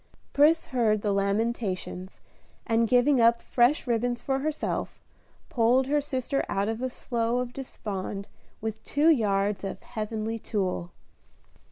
Pris heard the lamentations, and giving up fresh ribbons for herself, pulled her sister out of a slough of despond with two yards of "heavenly tulle."